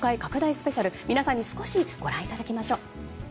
スペシャル皆さんに少しご覧いただきましょう。